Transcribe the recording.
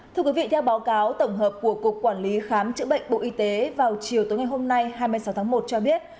thưa quý vị theo báo cáo tổng hợp của cục quản lý khám chữa bệnh bộ y tế vào chiều tối ngày hôm nay hai mươi sáu tháng một cho biết